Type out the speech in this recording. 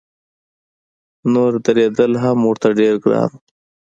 نور درېدل هم ورته ډېر ګران و.